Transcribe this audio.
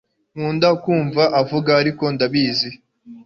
nkunda kumva avuga, ariko ndabizi